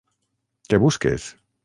Què busques?